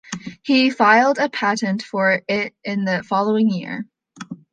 He filed a patent for it in the following year.